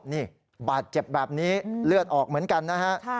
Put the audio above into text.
นี่บาดเจ็บแบบนี้เลือดออกเหมือนกันนะฮะ